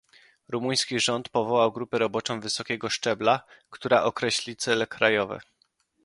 Rumuński rząd powołał grupę roboczą wysokiego szczebla, która określi cele krajowe